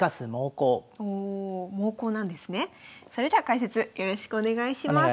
それでは解説よろしくお願いします。